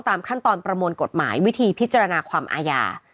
ตามขั้นตอนประมวลกฎหมายวิธีพิจารณาความอาญา